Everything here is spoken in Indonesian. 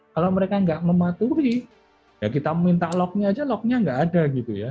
kalau mereka nggak mematuhi ya kita minta lognya aja lognya nggak ada gitu ya